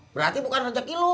berarti bukan rejeki lu